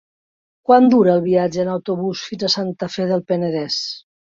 Quant dura el viatge en autobús fins a Santa Fe del Penedès?